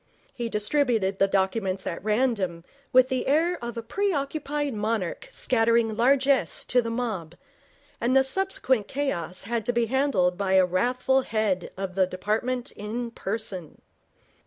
He distributed the documents at random with the air of a preoccupied monarch scattering largess to the mob, and the subsequent chaos had to be handled by a wrathful head of the department in person.